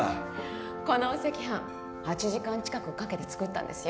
このお赤飯８時間近くかけて作ったんですよ